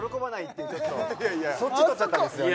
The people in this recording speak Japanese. そっちとっちゃったんですよね